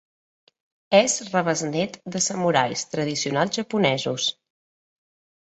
És rebesnét de samurais tradicionals japonesos.